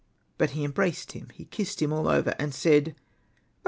But he embraced him, he kissed him all over, and said, '*^ Oh